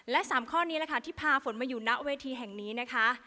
และ๓ข้อนี้แหละค่ะที่พาฝนมาอยู่ณเวทีแห่งนี้นะคะ